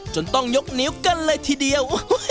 จนต้องยกนิ้วกันเลยทีเดียว